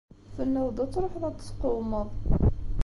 Tenniḍ-d ad tṛuḥeḍ ad t-tesqewmeḍ.